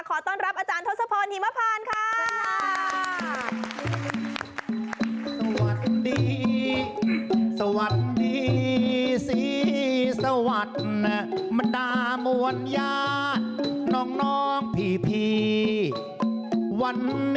ขอต้อนรับอาจารย์ทศพรหิมพานค่ะ